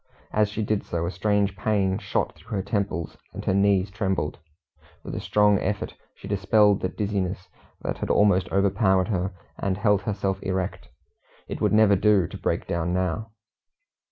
As she did so, a strange pain shot through her temples, and her knees trembled. With a strong effort she dispelled the dizziness that had almost overpowered her, and held herself erect. It would never do to break down now.